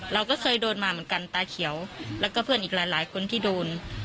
เราก็เคยโดนมาเหมือนกันตาเขียวแล้วก็เพื่อนอีกหลายคนที่โดน